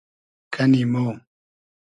کئنی مۉ